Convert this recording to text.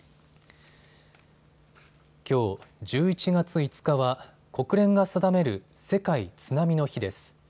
きょう１１月５日は国連が定める世界津波の日です。